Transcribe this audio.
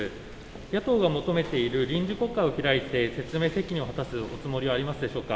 野党が求めている臨時国会を開いて説明責任を果たすつもりはありますでしょうか。